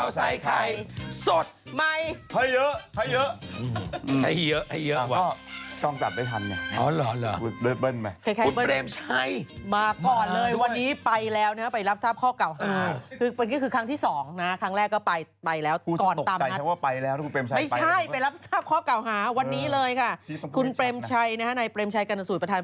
สวัสดีครับข้าวใส่ไข่สดใหม่ให้เยอะให้เยอะให้เยอะให้เยอะ